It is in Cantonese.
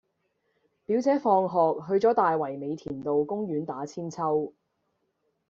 表姐放學去左大圍美田路公園打韆鞦